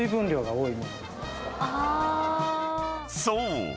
［そう。